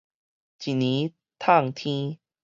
一年迵天